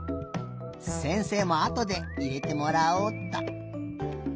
せんせいもあとでいれてもらおうっと。